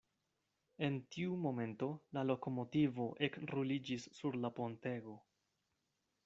En tiu momento la lokomotivo ekruliĝis sur la pontego.